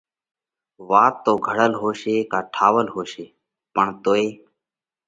وات تو گھڙل هوشي ڪا ٺاول هوشي پڻ توئي